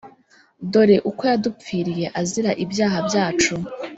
Dore uko yadupfiriye azira ibyaha byacu